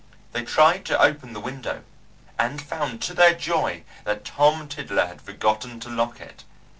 They tried to open the window, and found to their joy that Tom Tiddler had forgotten to lock it.